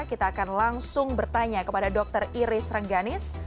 kita akan langsung bertanya kepada dr iris rengganis